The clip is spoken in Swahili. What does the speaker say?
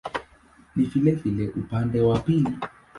Ni vilevile upande wa pili.